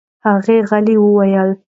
هغه غلې وویل: